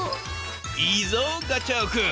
いいぞガチャオくん！